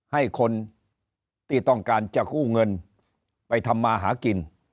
ให้คนที่ต้องการจะกู้เงินไปทำมาหากิน